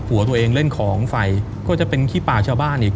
หัวตัวเองเล่นของไฟก็จะเป็นขี้ปากชาวบ้านอีก